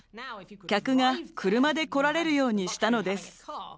客が車で来られるようにしたのです。